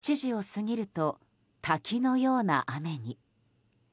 それが７時を過ぎると滝のような雨に。